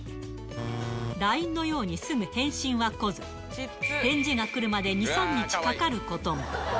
ラインのようにすぐ返信は来ず、返事が来るまで２、３日かかることも。